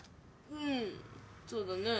うんそうだね。